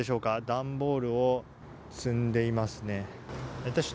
段ボールを積んでいますね。